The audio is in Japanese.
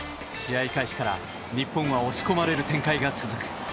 試合開始から日本は押し込まれる展開が続く。